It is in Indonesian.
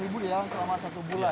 dua puluh ribu jalan selama satu bulan